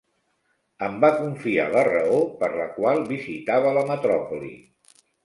Em va confiar la raó per la qual visitava la metròpoli.